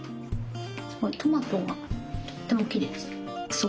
トマトがとってもきれいです。